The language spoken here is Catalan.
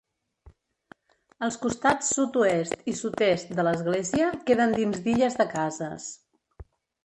Els costats sud-oest i sud-est de l'església queden dins d'illes de cases.